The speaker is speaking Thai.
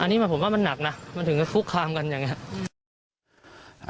อันนี้ผมว่ามันหนักนะมันถึงก็คุกคามกันอย่างนี้